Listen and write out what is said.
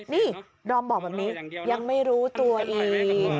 นี่ดอมบอกแบบนี้ยังไม่รู้ตัวอีก